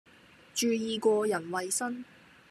注意個人衛生